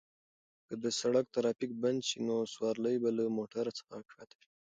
که د سړک ترافیک بند شي نو سوارلۍ به له موټر څخه کښته شي.